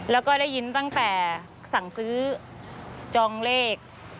แล้วก็ได้ยินตั้งแต่สั่งซื้อจองเลข